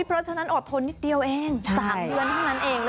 เพราะฉะนั้นอดทนนิดเดียวเอง๓เดือนเท่านั้นเอง